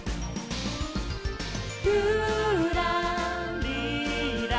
「ぴゅらりら」